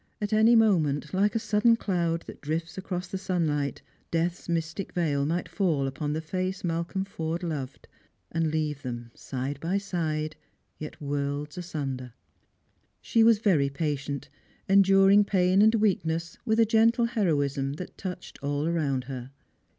At any moment, like a sudden cloud that drifts across the sunlight. Death's mystic veil might fall upon the face Malcolm Forde loved, and leave them side by side, yet worlds asunder. 394 Strangers and Pilgrims. She was very patient, enduring pain and weakness with a gentle heroism that touched all around her.